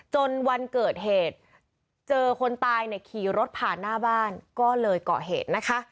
จนวันเกิดเหตุเจอคนตายขี่รถผ่านหน้าบ้านก็เลยเกาะเหตุ